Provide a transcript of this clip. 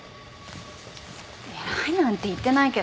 偉いなんて言ってないけど。